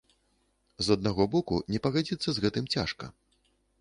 З аднаго боку, не пагадзіцца з гэтым цяжка.